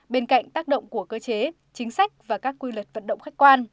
bên cạnh tác động của cơ chế chính sách và các quy luật vận động khách quan